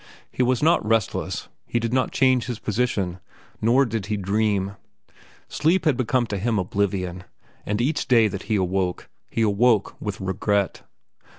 He was not restless. He did not change his position, nor did he dream. Sleep had become to him oblivion, and each day that he awoke, he awoke with regret.